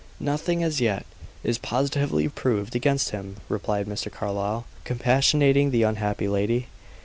"Nothing, as yet, is positively proved against him," replied Mr. Carlyle, compassionating the unhappy lady.